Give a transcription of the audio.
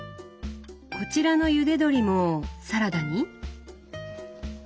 こちらのゆで鶏もサラダに？